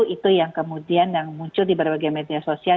itu yang kemudian yang muncul di berbagai media sosial